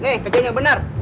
nih kejain yang bener